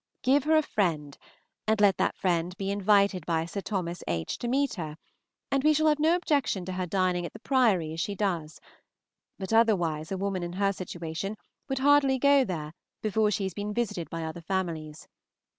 Give her a friend, and let that friend be invited by Sir Thomas H. to meet her, and we shall have no objection to her dining at the Priory as she does; but otherwise a woman in her situation would hardly go there before she had been visited by other families.